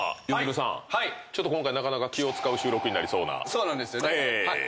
そうなんですよね。